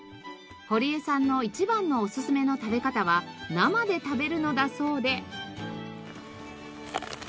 堀江さんの一番のおすすめの食べ方は生で食べるのだそうで。